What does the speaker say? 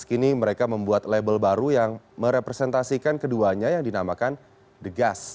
kini mereka membuat label baru yang merepresentasikan keduanya yang dinamakan the gas